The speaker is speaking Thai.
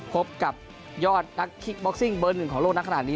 พบกับยอดนักคิกบ็อกซิ่งเบอร์หนึ่งของโลกนักขนาดนี้